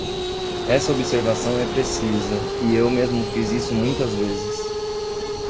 Essa observação é precisa e eu mesmo fiz isso muitas vezes.